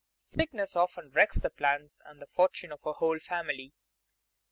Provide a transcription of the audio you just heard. Sickness often wrecks the plans and the fortune of a whole family.